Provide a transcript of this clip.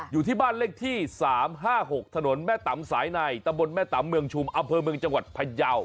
อยู่ที่บ้านเลขที่๓๕๖ถนนแม่ตำสายในตะบนแม่ตำเมืองชุมอำเภอเมืองจังหวัดพยาว